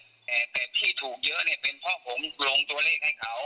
แต่แต่ที่ถูกเยอะเนี่ยเป็นเพราะผมลงตัวเลขให้เขา